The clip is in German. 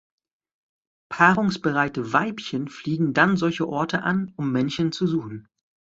Paarungsbereite Weibchen fliegen dann solche Orte an, um Männchen zu suchen.